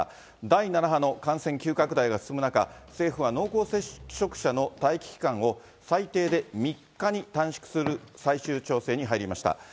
第７波の感染急拡大が進む中、政府は濃厚接触者の待機期間を最低で３日に短縮する最終調整に入りました。